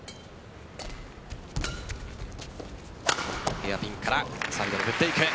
ヘアピンからサイドに振っていく。